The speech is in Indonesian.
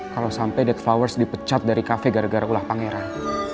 kalau sampai dead flowers dipecat dari kafe gara gara ulah pangeran